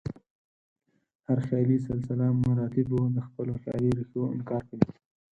هر خیالي سلسله مراتبو د خپلو خیالي ریښو انکار کوي.